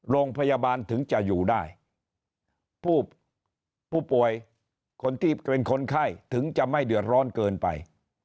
โรงพยาบาลถึงจะอยู่ได้ผู้ป่วยคนที่เป็นคนไข้ถึงจะไม่เดือดร้อนเกินไป